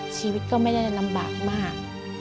ชีวิตก็ไม่ได้ลำบากมาก